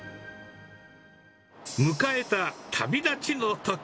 迎えた旅立ちの時。